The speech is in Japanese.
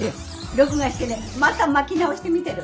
録画してねまた巻き直して見てる。